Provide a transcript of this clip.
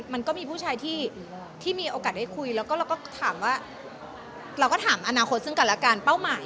มันก็มีผู้ชายที่มีโอกาสได้คุยเราก็ถามอนาคตซึ่งกันแล้วกัน